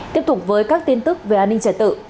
tiếp tục với các tin tức về an ninh trật tự